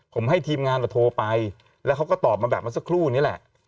ผมให้ทีมงานโทรไปแล้วเขาก็ตอบมาแบบเมื่อสักครู่นี้แหละ